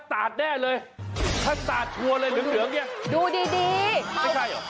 นอะไรเลยนะรู้ดีดีเหรอ